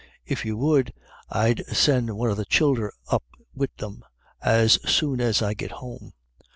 If you would, I'd send one o* the childer up wid them as soon as I git home.